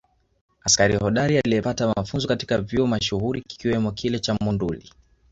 Askari hodari aliyepata mafunzo katika vyuo mashuhuri kikiwamo kile cha Monduli